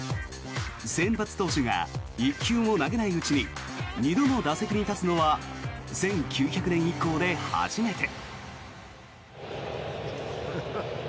先発投手が１球も投げないうちに２度の打席に立つのは１９００年以降で初めて。